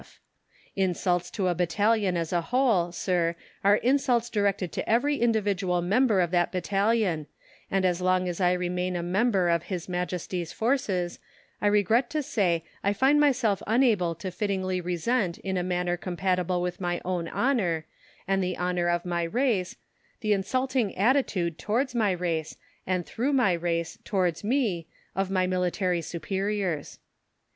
F. Insults to a battalion as a whole, Sir, are insults directed to every individual member of that battalion, and as long as I remain a member of His Majesty's Forces, I regret to say I find myself unable to fittingly resent in a manner compatible with my own honour, and the honour of my race, the insulting attitude towards my race, and through my race, towards me, of my military superiors.